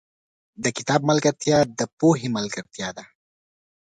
• د کتاب ملګرتیا، د پوهې ملګرتیا ده.